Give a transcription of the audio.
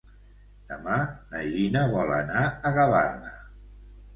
Demà na Gina vol anar a Gavarda.